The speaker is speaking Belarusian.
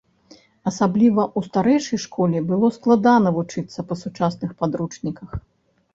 Асабліва ў старэйшай школе было складана вучыцца па сучасных падручніках.